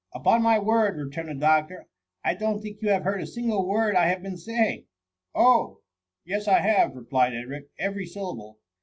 " Upon ray word,'' returned the doctor, " I don't think you have heard a single word I have been saying." " Oh ! yes, I have,*' replied Edric, " every syllable.